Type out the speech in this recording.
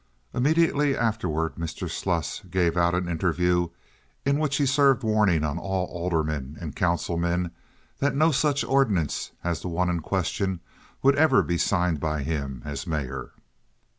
Immediately afterward Mr. Sluss gave out an interview in which he served warning on all aldermen and councilmen that no such ordinance as the one in question would ever be signed by him as mayor.